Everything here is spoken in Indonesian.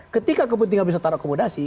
ketika kepentingan bisa taruh akomodasi